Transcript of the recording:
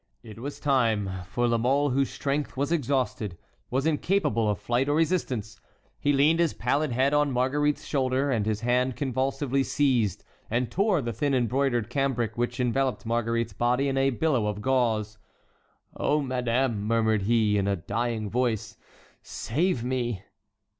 It was time, for La Mole, whose strength was exhausted, was incapable of flight or resistance; he leaned his pallid head on Marguerite's shoulder, and his hand convulsively seized and tore the thin embroidered cambric which enveloped Marguerite's body in a billow of gauze. "Oh, madame," murmured he, in a dying voice, "save me."